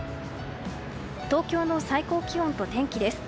東京の最高気温と天気です。